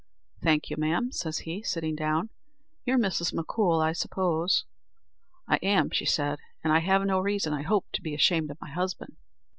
"Thank you ma'am," says he, sitting down; "you're Mrs. M'Coul, I suppose?" "I am," said she; "and I have no reason, I hope, to be ashamed of my husband."